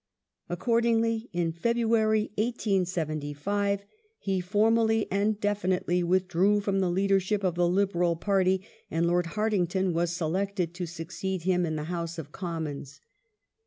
Accoi dingly, in February, 1875, he formally and de finitely withdrew from the leadership of the Liberal party and Lord Hartington was selected to succeed him in the House of Commons.